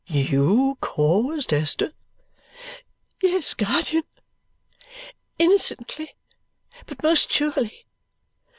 "You caused, Esther?" "Yes, guardian. Innocently, but most surely.